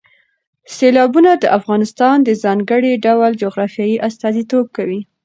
سیلابونه د افغانستان د ځانګړي ډول جغرافیې استازیتوب کوي.